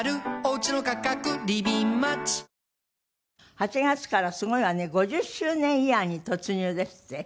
８月からすごいわね５０周年イヤーに突入ですって？